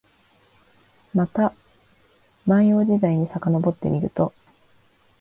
また万葉時代にさかのぼってみると、